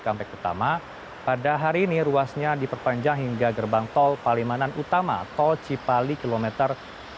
di kampek pertama pada hari ini ruasnya diperpanjang hingga gerbang tol palimanan utama tol cipali kilometer satu ratus delapan puluh delapan